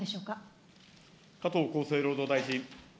加藤厚生労働大臣。